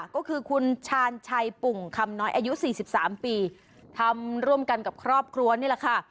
ก็คือคุณชาญชัยปุ่งคำน้อยอายุ๔๓ปีทำร่วมกันกับครอบครัวนี่แหละค่ะ